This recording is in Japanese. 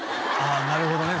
あなるほどね